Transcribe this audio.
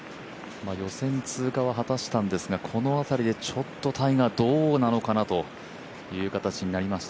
予選通過は果たしたんですが、この辺りでちょっとタイガー、どうなのかなという形になりました。